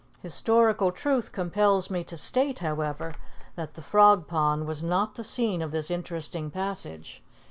Historical truth compels me to state, however, that the Frog Pond was not the scene of this interesting passage.